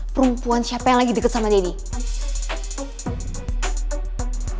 perempuan siapa yang lagi deket sama dia nih